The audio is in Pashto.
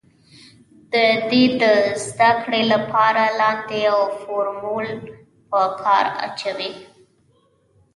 د دې د زده کړې له پاره لاندې يو فورمول په کار اچوو